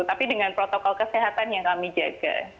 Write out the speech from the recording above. tapi dengan protokol kesehatan yang kami jaga